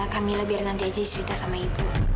kamilah biar nanti aja dicerita sama ibu